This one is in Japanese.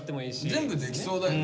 全部できそうだけどね。